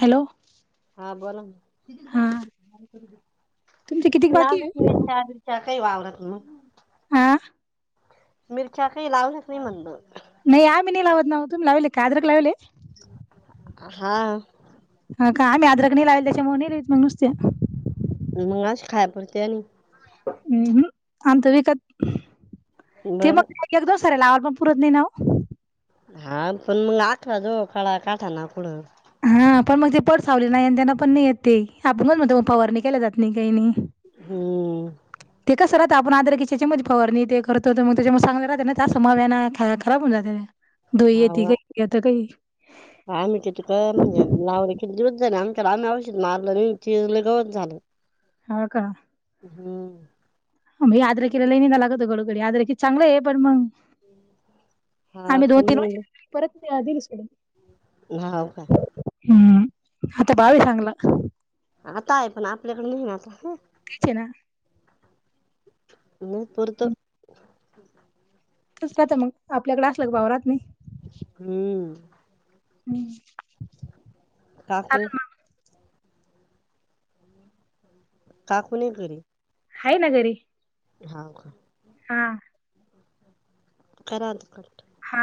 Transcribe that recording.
Hello हां बोलांना, हा [unintelligible] तुमचे किती बाकी लागत आहे नहीं त्याआदी त्या काही वावरात, म. आं? मिरच्या काई लावाल्या का, म्हणलं? नही, आम्ही नही लावत ना ओ, तुम्ही लावेले का? आद्रक लावेले? हा. हं का, आम्ही आद्रक नही लावेल, त्याच्यामुळे नई [unintelligible] म नुसत्या. मंग अशा, खाया पुरत्या नई? ह्म हं, आणतो विकत, ते बर मग एकद [unintelligible] ऱ्या लावायल पण, पुरत नही ना ओ. हां, पण मंग आठराजवळ, कळा काठा ना कुडं हां, पण मग, ते पडसावले नाही, अन त्यांन पण नही येते ते, आपण गन्ज म्हणतो, पण फवारणी केल्या जात नही, काही नही. ह्म. ते कसं राहातं, आपण आद्रकिच्या याच्यामधी, फवारणी न ते करतो, तर मग त्याच्यामु चांगल राहत, नईत असं माव्यानं, खा-खराब होऊन जात ते. धूई येती गं, येत काही आमचे तिथं, म्हणजे एक वावर ये, किती दिवस झाले, आम्हचाला आजून औषध मारलं नहीं, ते लय गवत झालं. हा का? ह्म. म ह्या आद्रकिला लई निंदाय लागत गडोगडी, आद्रेकीच चांगलं य, पण मंग हा आम्ही पण दोन-तीन वर्ष मग ठेवली, परत [unintelligible] दिली सोडून. हो का? ह्म, आता भाव ये चांगला. आता आहे, पण आपल्याकडे नही ना, आता. तेच ये ना? [unintelligible] पुरतं. तसच राहत मंग, आपल्याकड असलं का, भाव राहत नही. ह्म. म्ह. काकू काकु, नही घरी. हाय ना, घरी. हाव का? हां. करा आता कट. हा.